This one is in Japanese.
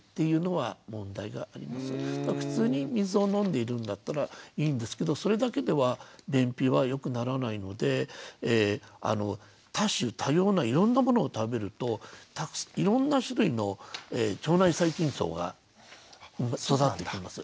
普通に水を飲んでいるんだったらいいんですけどそれだけでは便秘はよくならないので多種多様ないろんなものを食べるといろんな種類の腸内細菌叢が育ってきます。